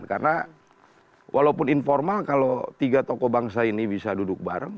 karena walaupun informal kalau tiga tokoh bangsa ini bisa duduk bareng